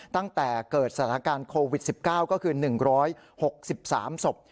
ตั้งแต่เกิดสถานการณ์โควิด๑๙ก็คือ๑๖๓ศพ